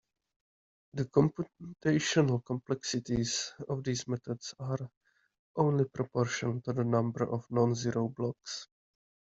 The computational complexities of these methods are only proportional to the number of non-zero blocks.